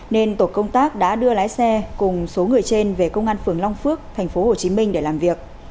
nên tổ công tác đã đưa lái xe cùng số người trên về công an phường long phước tp hcm để làm việc